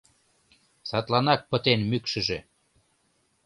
Садланак пытен мӱкшыжӧ!